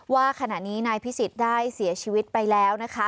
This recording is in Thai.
ว่าขณะนี้นายพิสิทธิ์ได้เสียชีวิตไปแล้วนะคะ